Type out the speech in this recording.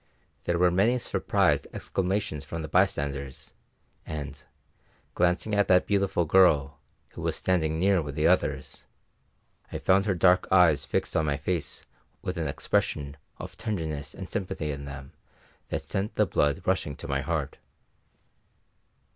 There were many surprised exclamations from the bystanders, and, glancing at that beautiful girl, who was standing near with the others, I found her dark eyes fixed on my face with an expression of tenderness and sympathy in them that sent the blood rushing to my heart.